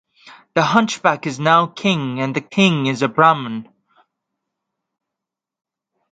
The hunchback is now king and the king is a Brahman.